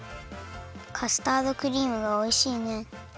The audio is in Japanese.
カスタードクリームがおいしいね。